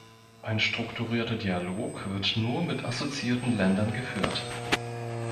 Ein strukturierter Dialog wird nur mit assoziierten Ländern geführt.